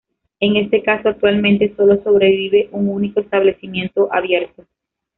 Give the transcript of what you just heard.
En este caso actualmente sólo sobrevive un único establecimiento abierto.